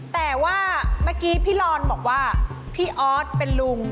แต่ว่าเมื่อกี้พี่รอนบอกว่าพี่ออสเป็นลุง